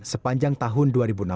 sepanjang tahun dua ribu enam belas